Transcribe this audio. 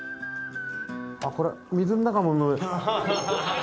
あっこれ水の中も。